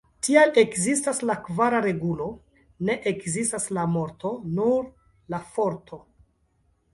Tial ekzistas la kvara regulo: "Ne ekzistas la morto, nur la Forto".